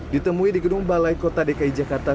ditemui di gedung balai kota dki jakarta